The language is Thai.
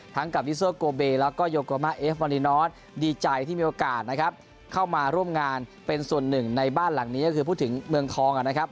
กับวิโซโกเบแล้วก็โยโกมาเอฟมอรินอสดีใจที่มีโอกาสนะครับเข้ามาร่วมงานเป็นส่วนหนึ่งในบ้านหลังนี้ก็คือพูดถึงเมืองทองนะครับ